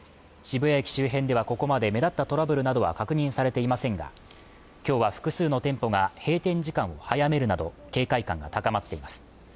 谷駅周辺ではここまで目立ったトラブルなどは確認されていませんが今日は複数の店舗が閉店時間を早めるなど警戒感が高まっています